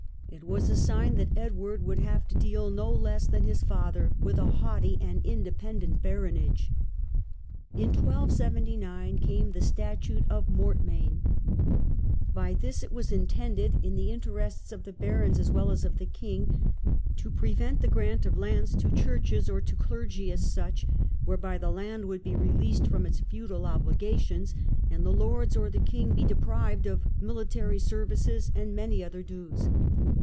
It was a sign that Edward would have to deal, no less than his father, with a haughty and independent baronage. In 1279 came the Statute ef Mortmain, By this it was intended, in the interests of the barons as well as of the king, to prevent the grant of lands to churches, or to clergy as such, whereby the land would be released from its feudal obligations and the lords or the king be deprived of military services and many other dues.